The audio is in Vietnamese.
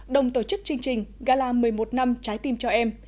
đồng tổ chức chương trình gala một mươi một năm trái tim cho em